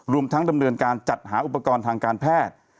รวมทั้งดำเนินการจัดหาอุปกรณ์ทางการแพทย์